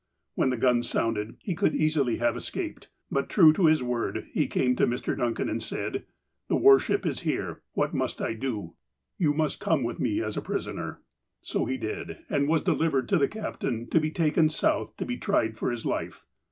When the gun sounded, he could easily have escaped ; but, true to his word, he came to Mr. Duucan and said :" The war ship is here. What must I do ?"" You must come with me as a prisoner." So he did, and he was delivered to the captain to be takeu South to be tried for his life.